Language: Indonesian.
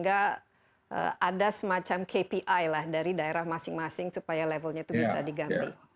ada semacam kpi lah dari daerah masing masing supaya levelnya itu bisa diganti